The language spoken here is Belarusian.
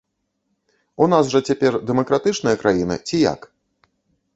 У нас жа цяпер дэмакратычная краіна ці як?